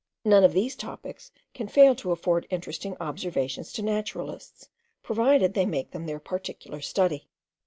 None of these topics can fail to afford interesting observations to naturalists, provided they make them their particular study.